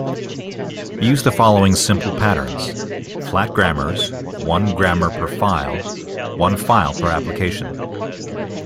Use the following simple patterns: flat grammars, one grammar per file, one file per application.